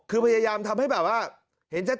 คือพยายามทำให้แบบว่าเห็นชัด